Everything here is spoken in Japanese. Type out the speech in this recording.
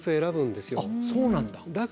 あっそうなんだ。